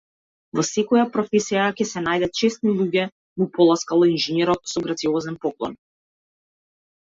Во секоја професија ќе се најдат чесни луѓе му поласкал инженерот со грациозен поклон.